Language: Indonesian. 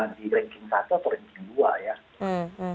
di ranking satu atau ranking dua ya